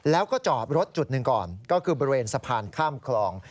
แล้วก็จอดรถจุดหนึ่งก่อนก็คือบริเวณสะพานข้ามคลอง